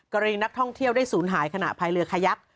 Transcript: กรณีนักท่องเที่ยวได้ศูนย์หายขณะพายเรือขยัก